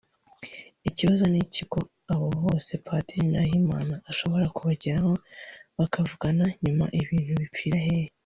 Ikibazo ni iki ko abo bose Padiri Nahimana ashobora kubageraho bakavugana nyuma ibintu bipfira hehe